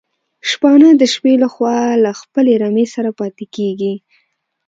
شپانه د شپې لخوا له خپلي رمې سره پاتي کيږي